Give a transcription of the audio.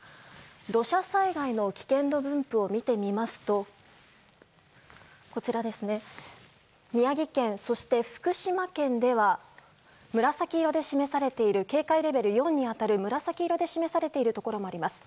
土砂災害の危険度分布を見てみますと宮城県、そして福島県では紫色で示されている警戒レベル４に当たる紫色で示されているところもあります。